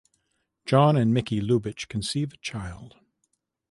John and Mickey Lubitch conceive a child.